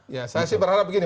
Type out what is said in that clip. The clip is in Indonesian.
ya saya sih berharap begini